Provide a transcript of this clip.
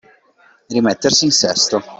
Rimettersi in sesto.